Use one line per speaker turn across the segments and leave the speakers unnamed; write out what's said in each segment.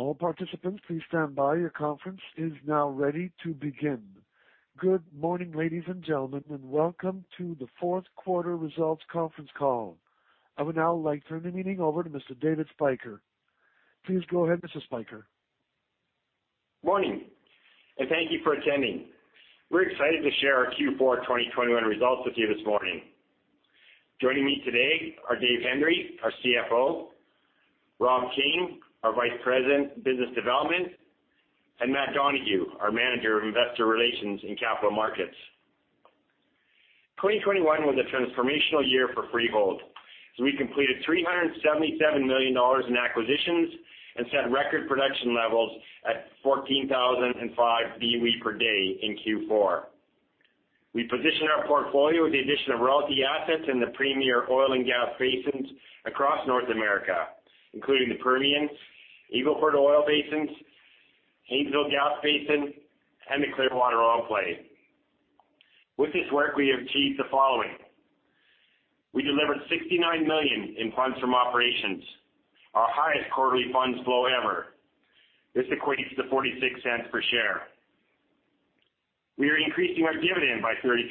All participants, please stand by. Your conference is now ready to begin. Good morning, ladies and gentlemen, and welcome to the fourth quarter results conference call. I would now like to turn the meeting over to Mr. David Spyker. Please go ahead, Mr. Spyker.
Morning, and thank you for attending. We're excited to share our Q4 2021 results with you this morning. Joining me today are Dave Hendry, our CFO, Rob King, our Vice President, Business Development, and Matt Donohue, our Manager of Investor Relations and Capital Markets. 2021 was a transformational year for Freehold, as we completed 377 million dollars in acquisitions and set record production levels at 14,005 BOE per day in Q4. We positioned our portfolio with the addition of royalty assets in the premier oil and gas basins across North America, including the Permian, Eagle Ford Oil basins, Haynesville Gas basin, and the Clearwater Oil Play. With this work, we achieved the following. We delivered 69 million in funds from operations, our highest quarterly funds flow ever. This equates to 0.46 per share. We are increasing our dividend by 33%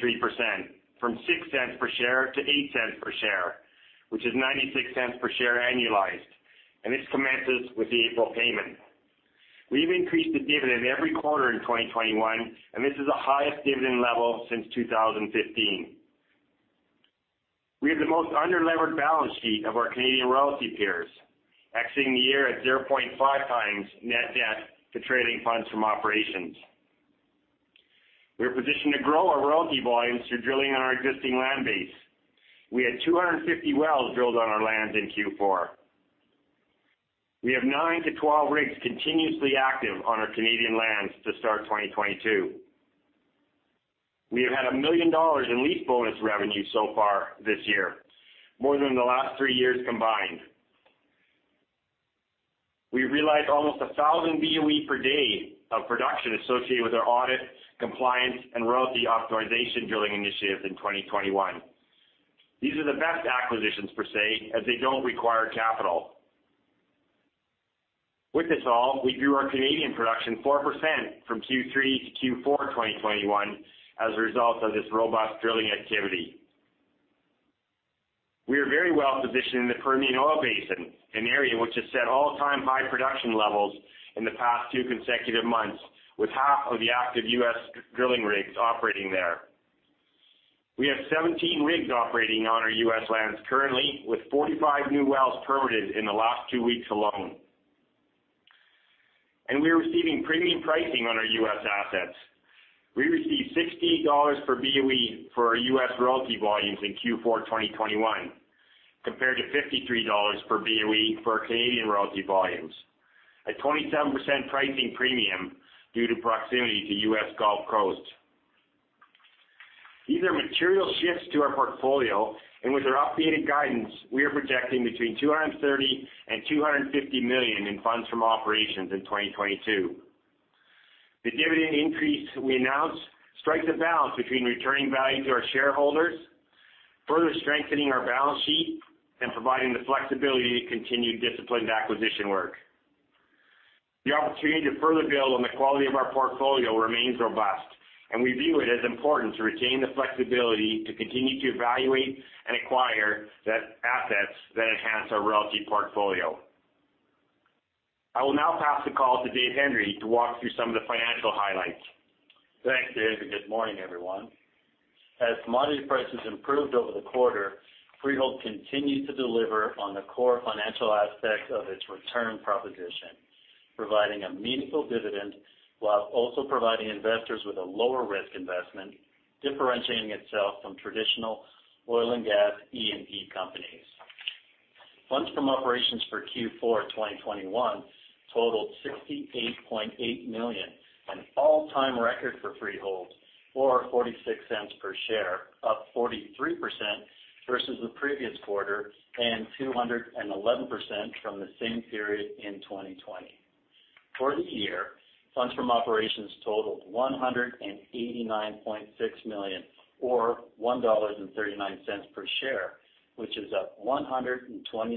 from 0.06 per share to 0.08 per share, which is 0.96 per share annualized, and this commences with the April payment. We've increased the dividend every quarter in 2021, and this is the highest dividend level since 2015. We have the most under-levered balance sheet of our Canadian royalty peers, exiting the year at 0.5x net debt to trailing funds from operations. We are positioned to grow our royalty volumes through drilling on our existing land base. We had 250 wells drilled on our lands in Q4. We have 9-12 rigs continuously active on our Canadian lands to start 2022. We have had 1 million dollars in lease bonus revenue so far this year, more than the last three years combined. We realized almost 1,000 BOE per day of production associated with our audit, compliance, and royalty authorization drilling initiatives in 2021. These are the best acquisitions per se, as they don't require capital. With this all, we grew our Canadian production 4% from Q3 to Q4 2021 as a result of this robust drilling activity. We are very well-positioned in the Permian Basin, an area which has set all-time high production levels in the past two consecutive months, with half of the active U.S. drilling rigs operating there. We have 17 rigs operating on our U.S. lands currently, with 45 new wells permitted in the last two weeks alone. We are receiving premium pricing on our U.S. assets. We received $60 per BOE for our U.S. royalty volumes in Q4 2021, compared to 53 dollars per BOE for our Canadian royalty volumes, a 27% pricing premium due to proximity to U.S. Gulf Coast. These are material shifts to our portfolio, and with our updated guidance, we are projecting between 230 million and 250 million in funds from operations in 2022. The dividend increase we announced strikes a balance between returning value to our shareholders, further strengthening our balance sheet, and providing the flexibility to continue disciplined acquisition work. The opportunity to further build on the quality of our portfolio remains robust, and we view it as important to retain the flexibility to continue to evaluate and acquire assets that enhance our royalty portfolio. I will now pass the call to Dave Hendry to walk through some of the financial highlights.
Thanks, David. Good morning, everyone. As commodity prices improved over the quarter, Freehold continued to deliver on the core financial aspects of its return proposition, providing a meaningful dividend while also providing investors with a lower-risk investment, differentiating itself from traditional oil and gas E&P companies. Funds from operations for Q4 2021 totaled 68.8 million, an all-time record for Freehold, or 0.46 per share, up 43% versus the previous quarter and 211% from the same period in 2020. For the year, funds from operations totaled 189.6 million or 1.39 dollars per share, which is up 129%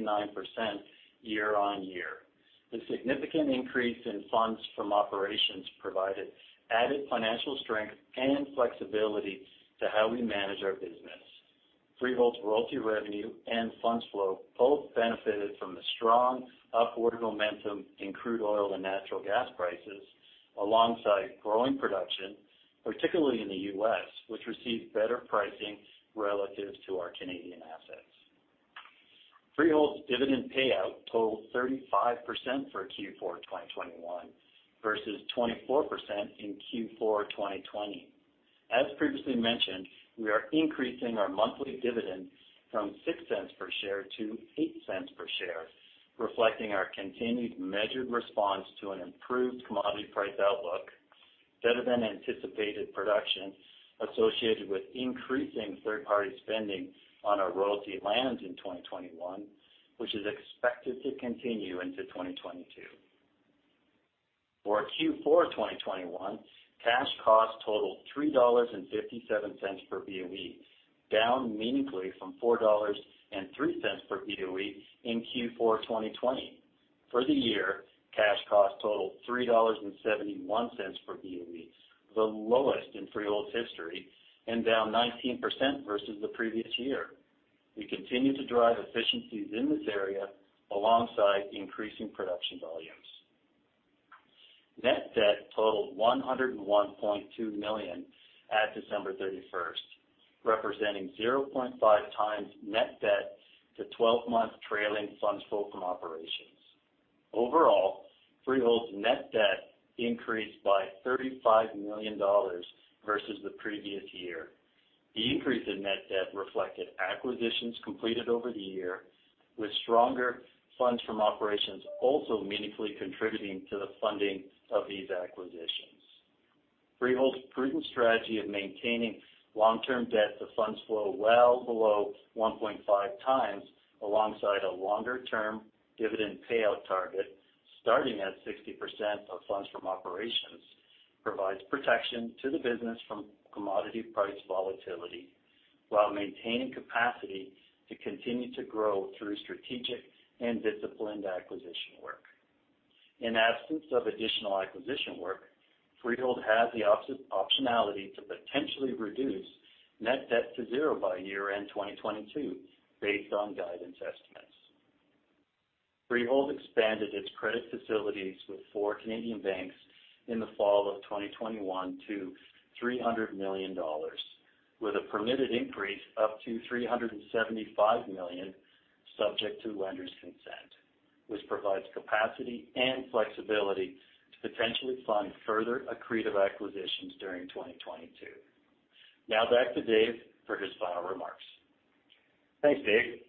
year-on-year. The significant increase in funds from operations provided added financial strength and flexibility to how we manage our business. Freehold's royalty revenue and funds flow both benefited from the strong upward momentum in crude oil and natural gas prices alongside growing production, particularly in the U.S., which received better pricing relative to our Canadian assets. Freehold's dividend payout totaled 35% for Q4 2021 versus 24% in Q4 2020. As previously mentioned, we are increasing our monthly dividend from 0.06 per share to 0.08 per share, reflecting our continued measured response to an improved commodity price outlook, better-than-anticipated production associated with increasing third-party spending on our royalty lands in 2021, which is expected to continue into 2022. For Q4 2021, cash cost totaled 3.57 dollars per BOE, down meaningfully from 4.03 dollars per BOE in Q4 2020. For the year, cash cost totaled 3.71 dollars per BOE, the lowest in Freehold's history and down 19% versus the previous year. We continue to drive efficiencies in this area alongside increasing production volumes. Net debt totaled 101.2 million at December 31, representing 0.5x net debt to twelve-month trailing funds from operations. Overall, Freehold's net debt increased by 35 million dollars versus the previous year. The increase in net debt reflected acquisitions completed over the year, with stronger funds from operations also meaningfully contributing to the funding of these acquisitions. Freehold's prudent strategy of maintaining long-term debt to funds from operations well below 1.5x, alongside a longer-term dividend payout target starting at 60% of funds from operations, provides protection to the business from commodity price volatility while maintaining capacity to continue to grow through strategic and disciplined acquisition work. In absence of additional acquisition work, Freehold has the optionality to potentially reduce net debt to zero by year-end 2022 based on guidance estimates. Freehold expanded its credit facilities with four Canadian banks in the fall of 2021 to 300 million dollars, with a permitted increase up to 375 million, subject to lenders' consent, which provides capacity and flexibility to potentially fund further accretive acquisitions during 2022. Now back to Dave for his final remarks.
Thanks, Dave.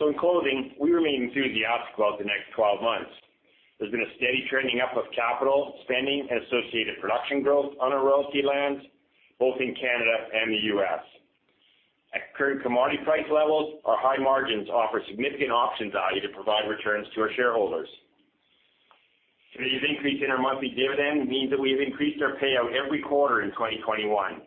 In closing, we remain enthusiastic about the next 12 months. There's been a steady trending up of capital spending and associated production growth on our royalty lands, both in Canada and the US. At current commodity price levels, our high margins offer significant option value to provide returns to our shareholders. Today's increase in our monthly dividend means that we have increased our payout every quarter in 2021.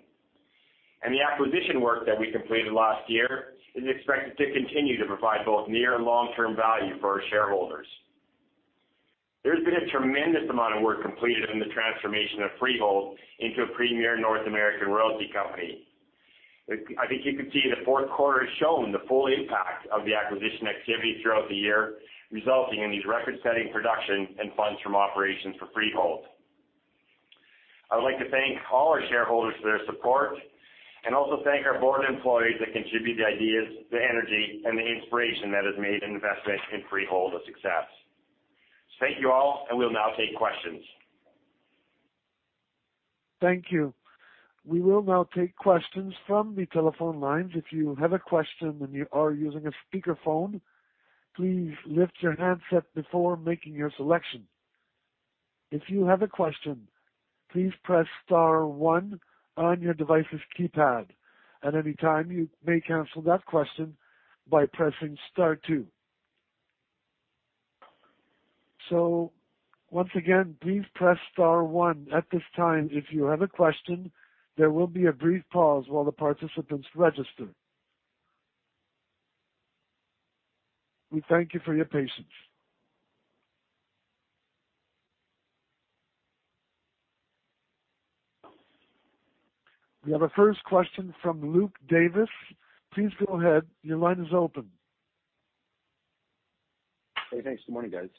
The acquisition work that we completed last year is expected to continue to provide both near and long-term value for our shareholders. There's been a tremendous amount of work completed in the transformation of Freehold into a premier North American royalty company. I think you can see the fourth quarter has shown the full impact of the acquisition activity throughout the year, resulting in these record-setting production and funds from operations for Freehold. I would like to thank all our shareholders for their support, and also thank our board and employees that contribute the ideas, the energy, and the inspiration that has made an investment in Freehold a success. Thank you all, and we'll now take questions.
Thank you. We will now take questions from the telephone lines. If you have a question and you are using a speakerphone, please lift your handset before making your selection. If you have a question, please press star one on your device's keypad. At any time, you may cancel that question by pressing star two. Once again, please press star one at this time if you have a question. There will be a brief pause while the participants register. We thank you for your patience. We have our first question from Luke Davis. Please go ahead. Your line is open.
Hey, thanks. Good morning, guys.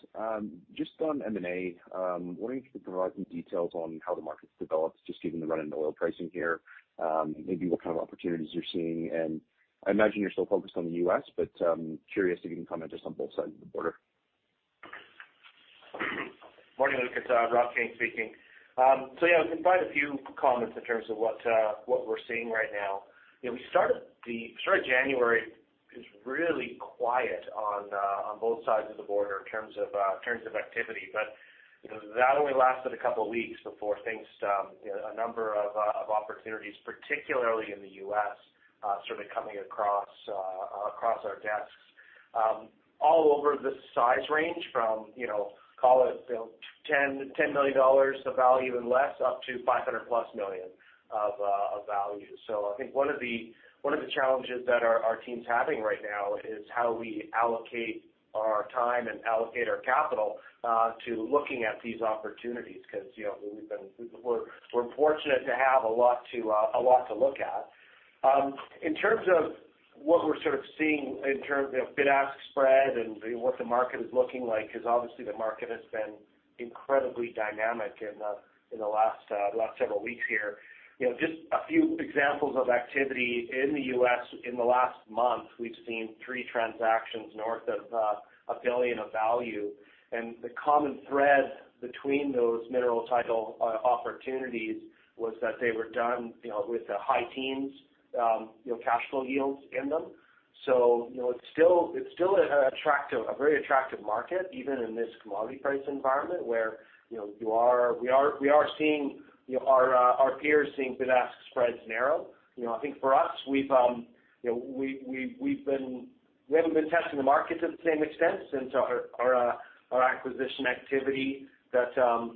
Just on M&A, wondering if you could provide some details on how the market's developed, just given the run in oil pricing here, maybe what kind of opportunities you're seeing. I imagine you're still focused on the U.S., but curious if you can comment just on both sides of the border.
Morning, Luke, it's Rob King speaking. Yeah, I can provide a few comments in terms of what we're seeing right now. You know, start of January is really quiet on both sides of the border in terms of activity. You know, that only lasted a couple of weeks before things, you know, a number of opportunities, particularly in the U.S., started coming across our desks, all over the size range from, you know, call it, you know, $10 million of value and less, up to $500+ million of value. I think one of the challenges that our team's having right now is how we allocate our time and allocate our capital to looking at these opportunities. Because, you know, we're fortunate to have a lot to look at. In terms of what we're sort of seeing in terms of bid-ask spread and what the market is looking like, because obviously the market has been incredibly dynamic in the last several weeks here. You know, just a few examples of activity in the U.S. in the last month, we've seen 3 transactions north of $1 billion of value. The common thread between those mineral title opportunities was that they were done, you know, with the high teens, you know, cash flow yields in them. You know, it's still a very attractive market, even in this commodity price environment where, you know, we are seeing, you know, our peers seeing bid-ask spreads narrow. You know, I think for us, we haven't been testing the markets at the same extent since our acquisition activity that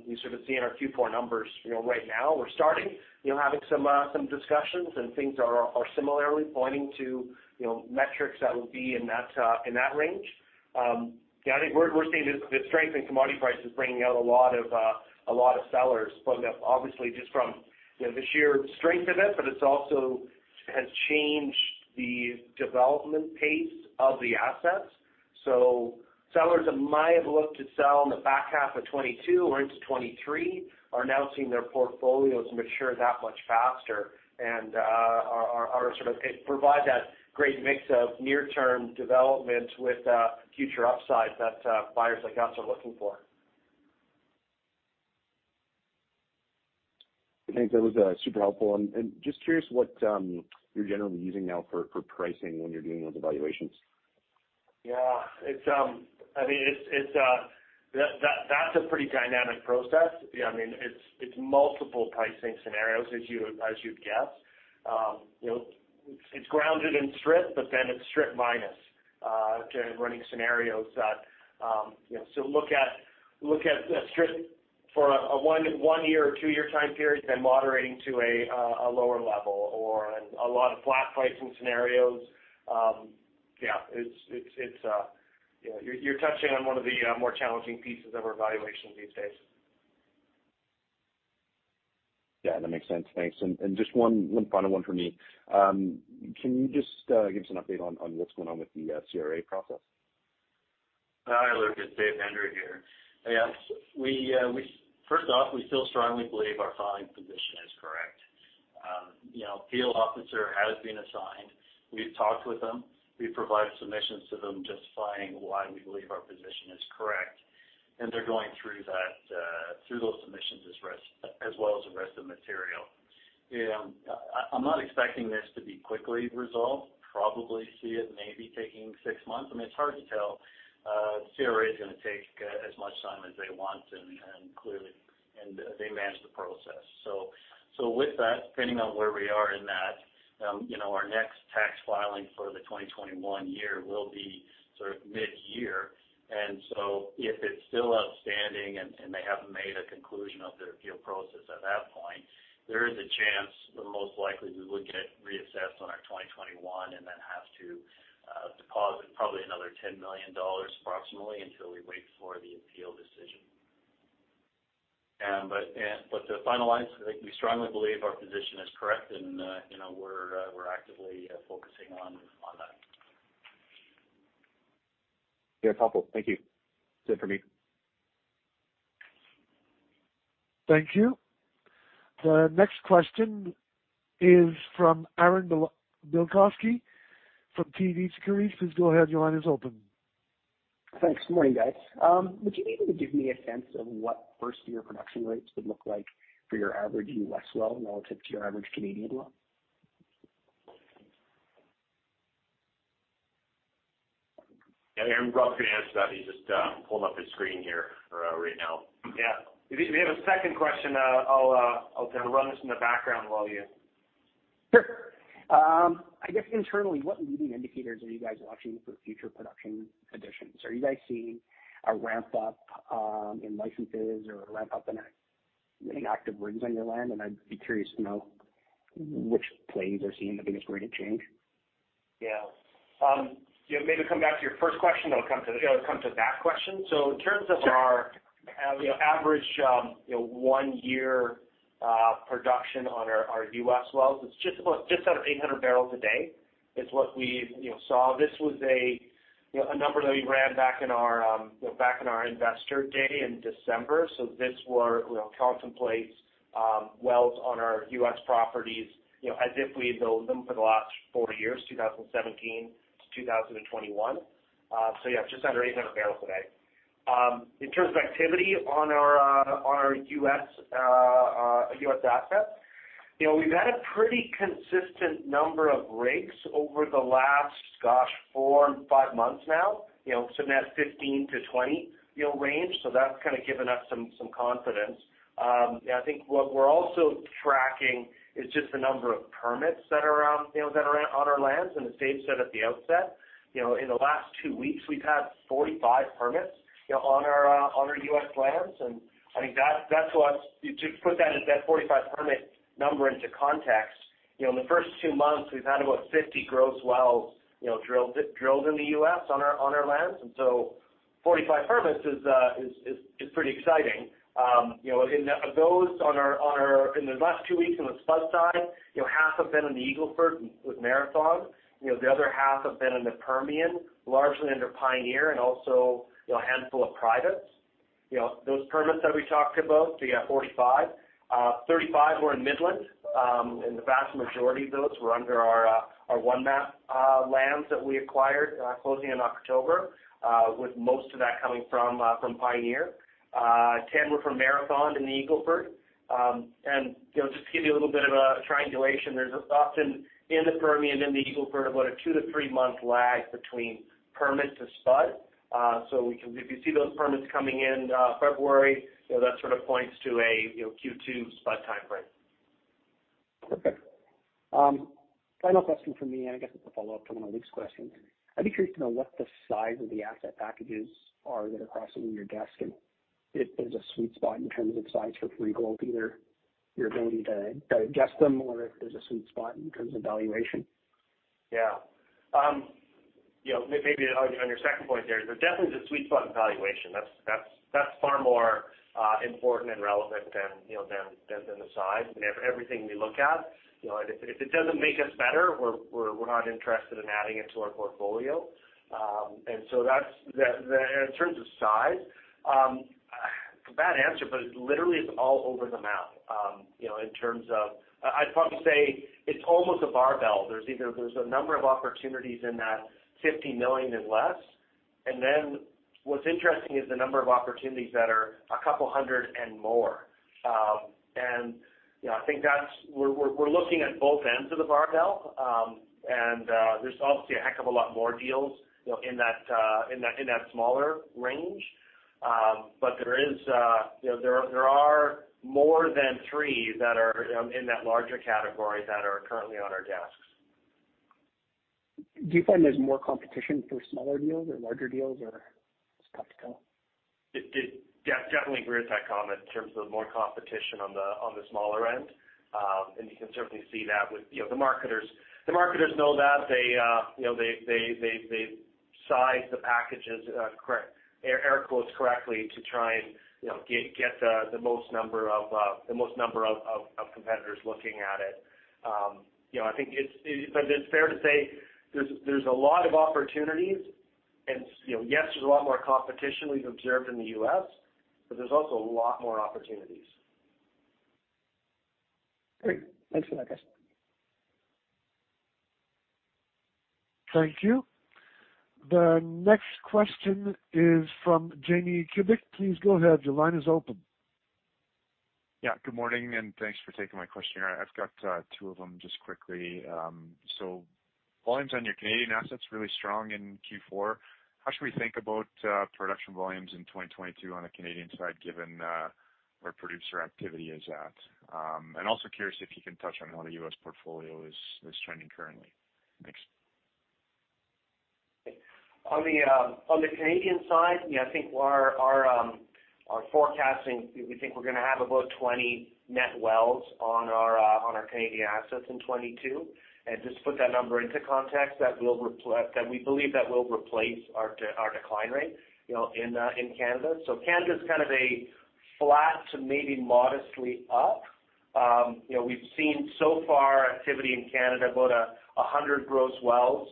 you sort of see in our Q4 numbers, you know, right now. We're starting, you know, having some discussions, and things are similarly pointing to, you know, metrics that would be in that range. Yeah, I think we're seeing the strength in commodity prices bringing out a lot of sellers, but obviously just from, you know, the sheer strength of it, but it's also has changed the development pace of the assets. Sellers that might have looked to sell in the back half of 2022 or into 2023 are now seeing their portfolios mature that much faster and are sort of provide that great mix of near-term development with future upside that buyers like us are looking for.
Thanks. That was super helpful. Just curious what you're generally using now for pricing when you're doing those evaluations.
Yeah. It's, I mean, it's that that's a pretty dynamic process. Yeah, I mean, it's multiple pricing scenarios, as you'd guess. You know, it's grounded in strip, but then it's strip minus, kind of running scenarios that, you know, so look at strip for a one year or two year time period, then moderating to a lower level or a lot of flat pricing scenarios. Yeah, it's, you know, you're touching on one of the more challenging pieces of our evaluations these days.
Yeah, that makes sense. Thanks. Just one final one for me. Can you just give us an update on what's going on with the CRA process?
Hi, Luke. It's Dave Hendry here. Yes. First off, we still strongly believe our filing position is correct. You know, field officer has been assigned. We've talked with them. We've provided submissions to them justifying why we believe our position is correct, and they're going through that, through those submissions as well as the rest of the material. Yeah, I'm not expecting this to be quickly resolved. Probably see it maybe taking six months. I mean, it's hard to tell. CRA is gonna take as much time as they want, and clearly they manage the process. With that, depending on where we are in that, you know, our next tax filing for the 2021 year will be sort of mid-year. If it's still outstanding and they haven't made a conclusion of their appeal process at that point, there is a chance that most likely we would get reassessed on our 2021 and then have to deposit probably another 10 million dollars approximately until we wait for the appeal decision. But to finalize, I think we strongly believe our position is correct and you know, we're actively focusing on that.
Yeah, it's helpful. Thank you. That's it for me.
Thank you. The next question is from Aaron Bilkoski from TD Securities. Please go ahead. Your line is open.
Thanks. Good morning, guys. Would you be able to give me a sense of what first-year production rates would look like for your average U.S. well relative to your average Canadian well?
Yeah. Aaron, Rob's gonna answer that. He's just pulling up his screen here right now.
Yeah. If you have a second question, I'll kind of run this in the background while you.
Sure. I guess internally, what leading indicators are you guys watching for future production additions? Are you guys seeing a ramp up in licenses or a ramp up in active rigs on your land? I'd be curious to know which plays are seeing the biggest rate of change.
Yeah. Yeah, maybe come back to your first question, then I'll come to that question. In terms of our-
Sure.
You know, average one-year production on our U.S. wells, it's just under 800 barrels a day is what we saw. This was a number that we ran back in our investor day in December. This contemplates wells on our U.S. properties as if we've built them for the last four years, 2017 to 2021. Yeah, just under 800 barrels a day. In terms of activity on our U.S. assets, you know, we've had a pretty consistent number of rigs over the last four, five months now, you know, sitting at 15-20 range. That's kind of given us some confidence. Yeah, I think what we're also tracking is just the number of permits that are, you know, that are on our lands. As Dave said at the outset, you know, in the last two weeks, we've had 45 permits, you know, on our U.S. lands. I think that's to put that 45 permit number into context, you know, in the first two months, we've had about 50 gross wells, you know, drilled in the U.S. on our lands. 45 permits is pretty exciting. You know, and of those, in the last two weeks on the spud side, you know, half have been in the Eagle Ford with Marathon. You know, the other half have been in the Permian, largely under Pioneer and also, you know, a handful of privates. You know, those permits that we talked about, so you got 45, 35 were in Midland, and the vast majority of those were under our OneMap lands that we acquired, closing in October, with most of that coming from Pioneer. 10 were from Marathon in the Eagle Ford. And, you know, just to give you a little bit of triangulation. There's often in the Permian and the Eagle Ford about a 2-3-month lag between permit to spud. So we can if you see those permits coming in February, you know, that sort of points to a Q2 spud timeframe.
Perfect. Final question from me, and I guess it's a follow-up to one of Luke's questions. I'd be curious to know what the size of the asset packages are that are crossing your desk, and if there's a sweet spot in terms of size for Freehold, either your ability to digest them or if there's a sweet spot in terms of valuation?
Yeah. You know, maybe on your second point there definitely is a sweet spot in valuation. That's far more important and relevant than, you know, the size. Everything we look at, you know, and if it doesn't make us better, we're not interested in adding it to our portfolio. That's the. In terms of size, bad answer, but it literally is all over the map, you know, in terms of. I'd probably say it's almost a barbell. There's a number of opportunities in that 50 million and less. What's interesting is the number of opportunities that are a couple hundred million and more. You know, I think that's. We're looking at both ends of the barbell. There's obviously a heck of a lot more deals, you know, in that smaller range. There are more than three that are in that larger category that are currently on our desks.
Do you find there's more competition for smaller deals or larger deals, or it's tough to tell?
Yeah, definitely agree with that comment in terms of more competition on the smaller end. You can certainly see that with, you know, the marketers. The marketers know that. They, you know, size the packages, correct, air quotes, correctly to try and, you know, get the most number of competitors looking at it. It's fair to say there's a lot of opportunities, you know, yes, there's a lot more competition we've observed in the U.S., but there's also a lot more opportunities.
Great. Thanks for that, guys.
Thank you. The next question is from Jamie Kubik. Please go ahead. Your line is open.
Yeah. Good morning, and thanks for taking my question. I've got two of them just quickly. Volumes on your Canadian assets really strong in Q4. How should we think about production volumes in 2022 on the Canadian side, given where producer activity is at? Also curious if you can touch on how the U.S. portfolio is trending currently. Thanks.
On the Canadian side, yeah, I think our forecasting, we think we're gonna have about 20 net wells on our Canadian assets in 2022. Just to put that number into context, that we believe that will replace our decline rate, you know, in Canada. Canada's kind of a flat to maybe modestly up. You know, we've seen so far activity in Canada, about 100 gross wells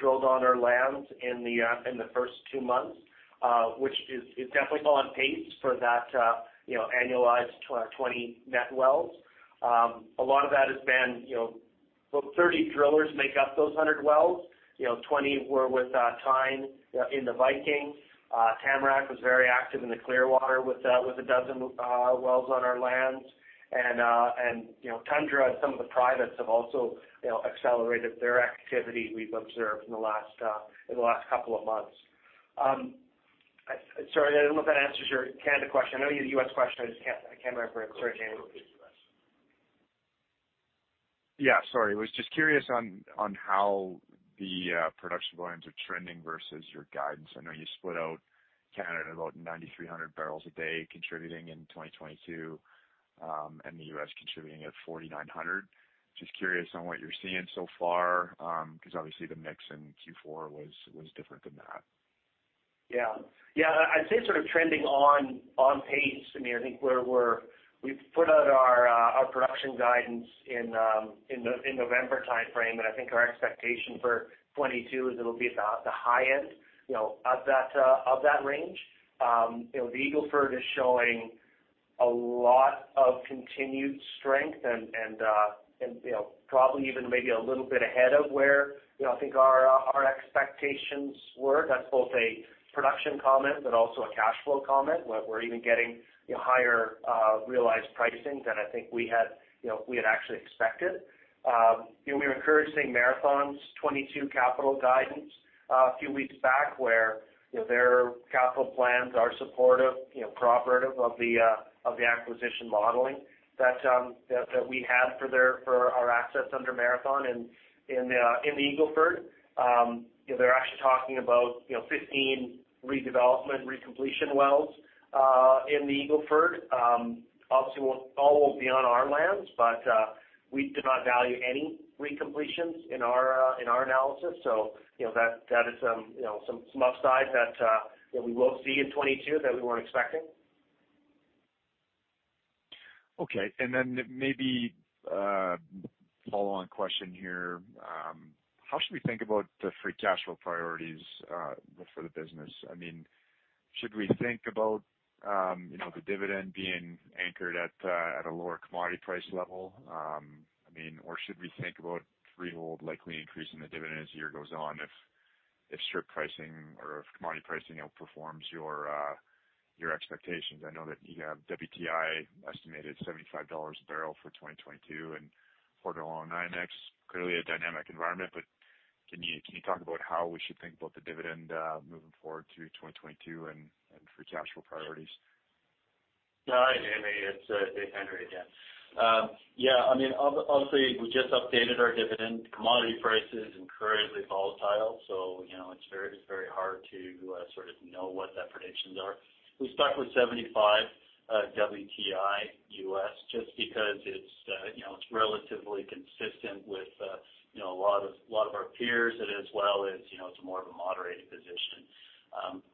drilled on our lands in the first 2 months, which is definitely well on pace for that, you know, annualized 20 net wells. A lot of that has been, you know. Well, 30 drillers make up those 100 wells. You know, 20 were with Teine in the Viking. Tamarack was very active in the Clearwater with 12 wells on our lands. You know, Tundra and some of the privates have also, you know, accelerated their activity we've observed in the last couple of months. Sorry, I don't know if that answers your Canada question. I know you had a U.S. question. I just can't remember it. Sorry, Jamie.
Yeah, sorry. Was just curious on how the production volumes are trending versus your guidance. I know you split out Canada about 9,300 barrels a day contributing in 2022, and the U.S. contributing at 4,900. Just curious on what you're seeing so far, because obviously the mix in Q4 was different than that.
Yeah. Yeah, I'd say sort of trending on pace. I mean, I think we've put out our production guidance in November timeframe, and I think our expectation for 2022 is it'll be about the high end, you know, of that range. You know, the Eagle Ford is showing a lot of continued strength and, you know, probably even maybe a little bit ahead of where, you know, I think our expectations were. That's both a production comment but also a cash flow comment. We're even getting, you know, higher realized pricing than I think we had actually expected. You know, we were encouraged seeing Marathon's 2022 capital guidance a few weeks back, where, you know, their capital plans are supportive, you know, corroborative of the acquisition modeling that we had for our assets under Marathon in the Eagle Ford. You know, they're actually talking about, you know, 15 redevelopment, recompletion wells in the Eagle Ford. Obviously, all won't be on our lands, but we did not value any recompletions in our analysis. You know, that is, you know, some upside that we will see in 2022 that we weren't expecting.
Okay. Maybe a follow-on question here. How should we think about the free cash flow priorities for the business? I mean, should we think about you know, the dividend being anchored at a lower commodity price level? I mean, or should we think about Freehold likely increasing the dividend as the year goes on if strip pricing or if commodity pricing outperforms your expectations? I know that you have WTI estimated $75 a barrel for 2022 and Q1 at $90 next. Clearly a dynamic environment, but can you talk about how we should think about the dividend moving forward to 2022 and free cash flow priorities?
No. Hi, Jamie. It's Dave Hendry again. I mean, obviously, we just updated our dividend. Commodity prices are incredibly volatile, so you know, it's very hard to sort of know what those predictions are. We start with $75 WTI just because you know, it's relatively consistent with you know, a lot of our peers and as well as, you know, it's more of a moderated position.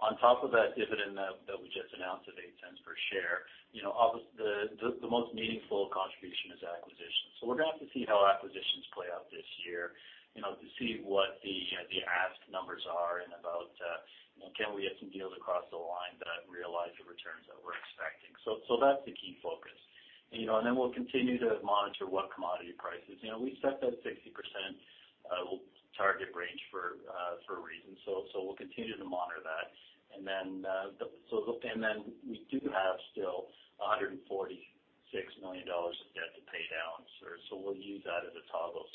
On top of that dividend that we just announced of 0.08 per share, you know, the most meaningful contribution is acquisitions. We're gonna have to see how acquisitions play out this year, you know, to see what the ask numbers are and about you know, can we get some deals across the line that realize the returns that we're expecting. That's the key focus. You know, we'll continue to monitor what commodity prices. You know, we set that 60% target range for a reason. We'll continue to monitor that. We do have still 146 million dollars of debt to pay down, so we'll use that as a toggle.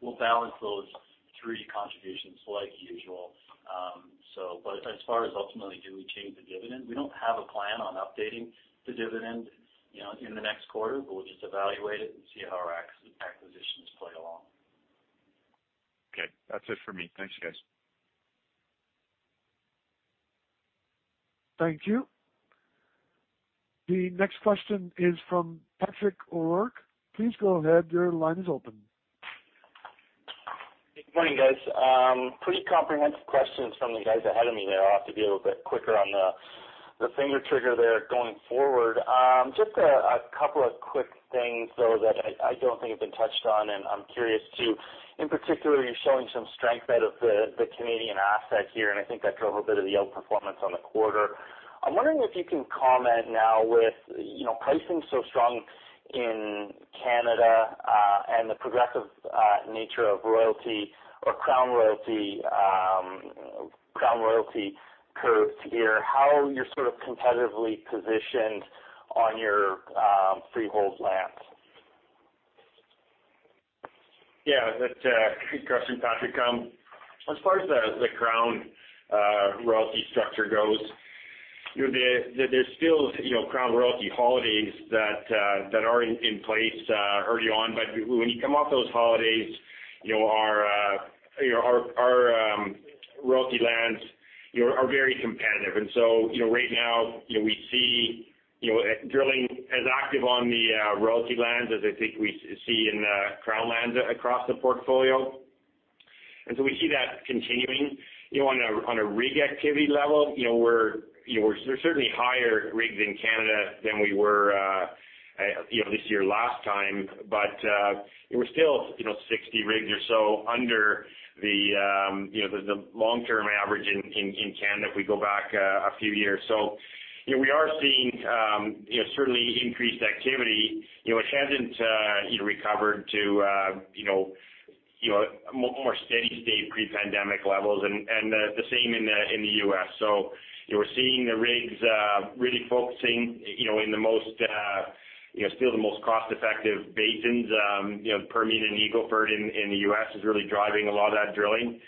We'll balance those three contributions like usual. But as far as ultimately do we change the dividend, we don't have a plan on updating the dividend, you know, in the next quarter, but we'll just evaluate it and see how our acquisitions play along.
Okay. That's it for me. Thanks, guys.
Thank you. The next question is from Patrick O'Rourke. Please go ahead. Your line is open.
Good morning, guys. Pretty comprehensive questions from the guys ahead of me there. I'll have to be a little bit quicker on the finger trigger there going forward. Just a couple of quick things, though, that I don't think have been touched on, and I'm curious, too. In particular, you're showing some strength out of the Canadian asset here, and I think that drove a bit of the outperformance on the quarter. I'm wondering if you can comment now with, you know, pricing so strong in Canada, and the progressive nature of royalty or Crown royalty, Crown royalty curve here, how you're sort of competitively positioned on your Freehold lands.
Yeah, that's a good question, Patrick. As far as the Crown royalty structure goes, you know, there's still, you know, Crown royalty holidays that are in place early on. When you come off those holidays, you know, our royalty lands, you know, are very competitive. You know, right now, you know, we see, you know, drilling as active on the royalty lands as I think we see in Crown lands across the portfolio. We see that continuing. You know, on a rig activity level, you know, there's certainly higher rigs in Canada than we were this time last year. We're still, you know, 60 rigs or so under the long-term average in Canada if we go back a few years. You know, we are seeing, you know, certainly increased activity. You know, it hasn't, you know, recovered to, you know, more steady-state pre-pandemic levels and the same in the U.S. You know, we're seeing the rigs really focusing, you know, in the most cost-effective basins, you know, Permian and Eagle Ford in the U.S. is really driving a lot of that drilling.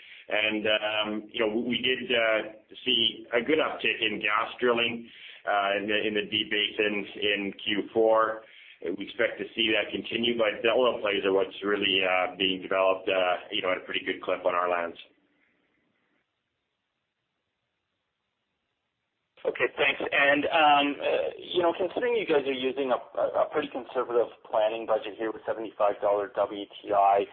You know, we did see a good uptick in gas drilling in the Deep Basin in Q4. We expect to see that continue, but oil plays are what's really being developed, you know, at a pretty good clip on our lands.
Okay, thanks. You know, considering you guys are using a pretty conservative planning budget here with $75 WTI,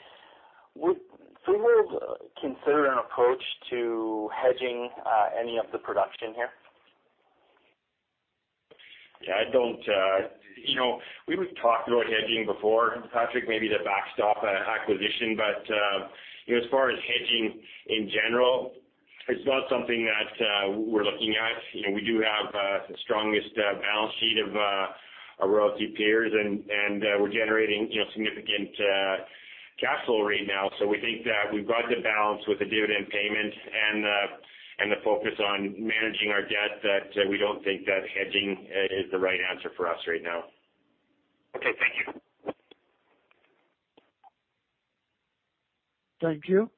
would Freehold consider an approach to hedging any of the production here?
Yeah, I don't. You know, we would talk about hedging before, Patrick, maybe to backstop an acquisition. You know, as far as hedging in general, it's not something that we're looking at. You know, we do have the strongest balance sheet of our royalty peers, and we're generating, you know, significant cash flow right now. We think that we've got the balance with the dividend payments and the focus on managing our debt that we don't think that hedging is the right answer for us right now.
Okay, thank you.
Thank you.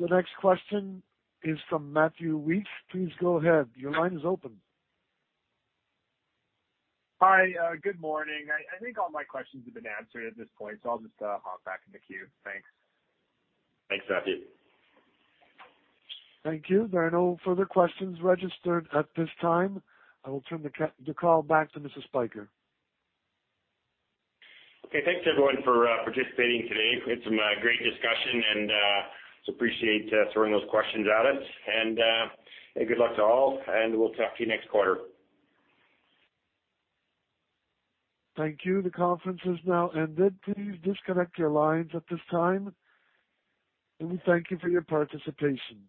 The next question is from Matthew Weiss. Please go ahead. Your line is open.
Hi. Good morning. I think all my questions have been answered at this point, so I'll just hop back in the queue. Thanks.
Thanks, Matthew.
Thank you. There are no further questions registered at this time. I will turn the call back to Mr. Spyker.
Okay. Thanks, everyone, for participating today. We had some great discussion, and just appreciate throwing those questions at us. Good luck to all, and we'll talk to you next quarter.
Thank you. The conference is now ended. Please disconnect your lines at this time, and we thank you for your participation.